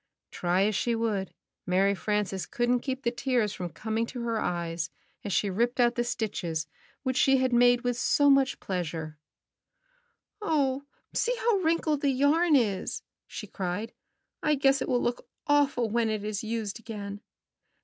Try as she would, Mary Frances couldn't keep the tears from coming to her eyes as she ripped out the stitches which she had made with so much pleasure. C(0)uto' te^rSc Doing it Over Again 173 "Oh, see how wrinkled the yarn is!" she cried. "I guess it will look awful when it is used again!"